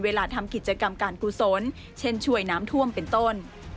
ทำกิจกรรมการกุศลเช่นช่วยน้ำท่วมเป็นต้น